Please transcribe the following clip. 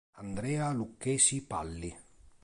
Andrea Lucchesi Palli